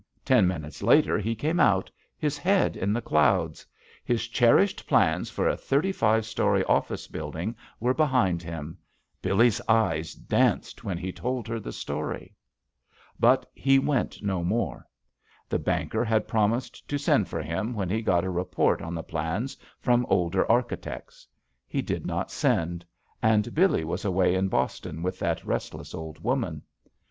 Ten minutes later he came out, his head in the clouds. His cher ished plans for a thirty five story office build ing were behind him. Billee's eyes danced when he told her the story. But he went no more. The banker had promised to send for him when he got a re port on the plans from older architects. He did not send, and Billee was away in Boston with that restless old woman.